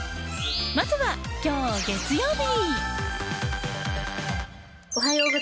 まずは今日、月曜日。